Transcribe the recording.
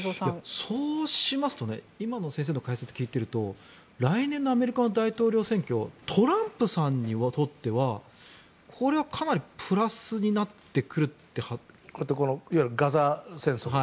そうしますと今の先生の解説を聞いていると来年のアメリカの大統領選挙トランプさんにとってはこれはかなりプラスになってくるかなと。